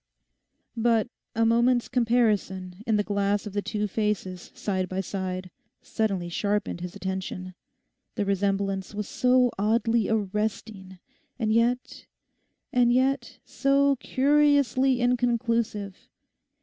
But a moment's comparison in the glass of the two faces side by side suddenly sharpened his attention—the resemblance was so oddly arresting, and yet, and yet, so curiously inconclusive.